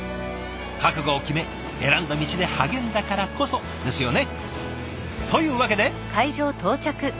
覚悟を決め選んだ道で励んだからこそですよね。というわけで。